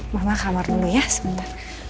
mama kamar dulu ya sebentar